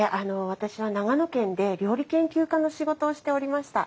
私は長野県で料理研究家の仕事をしておりました。